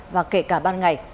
và kể cả ban ngày